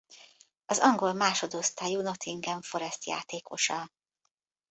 Az angol másodosztályú Nottingham Forest játékosa.